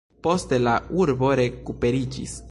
Poste la urbo rekuperiĝis.